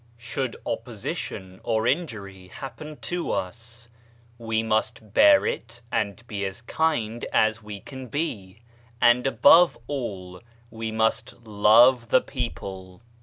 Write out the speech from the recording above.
" Should opposition or injury happen to us, we must bear it and be as kind as we can be, and above all, we must love the people.